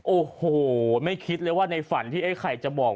โอ้โหไม่คิดเลยว่าในฝันที่ไอ้ไข่จะบอก